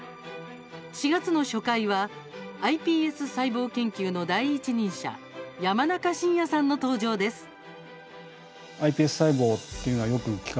４月の初回はｉＰＳ細胞研究の第一人者山中伸弥さんの登場です。